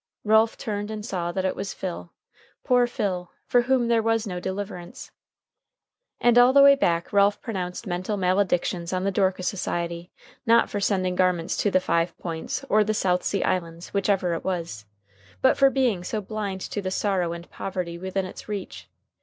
Ralph turned and saw that it was Phil, poor Phil, for whom there was no deliverance. And all the way back Ralph pronounced mental maledictions on the Dorcas Society, not for sending garments to the Five Points or the South Sea Islands, whichever it was, but for being so blind to the sorrow and poverty within its reach.